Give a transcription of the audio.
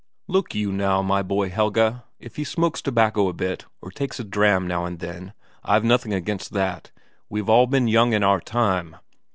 "Look you, now, my boy, Helge; if he smokes tobacco a bit, or takes a dram now and then, I've nothing against that, we've all been young in our time.